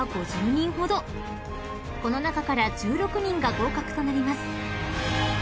［この中から１６人が合格となります］